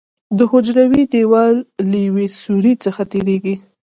د حجروي دیوال له یو سوري څخه تېریږي.